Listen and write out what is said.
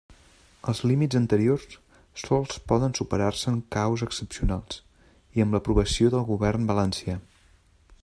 Els límits anteriors sols poden superar-se en caos excepcionals, i amb l'aprovació del Govern Valencià.